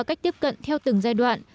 cách tiếp cận theo từng giai đoạn